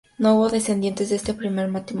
No hubo descendientes de este primer matrimonio.